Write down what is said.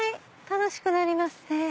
楽しくなりますね。